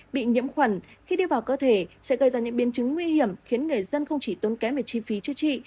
bị nhiễm khuẩn khi đi vào cơ thể sẽ gây ra những biến chứng nguy hiểm khiến người dân không chỉ tốn kém về chi phí chữa trị